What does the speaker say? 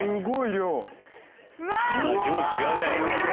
量違うね。